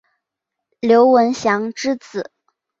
刘文翔之子。